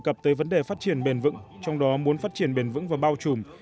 cập tới vấn đề phát triển bền vững trong đó muốn phát triển bền vững và bao trùm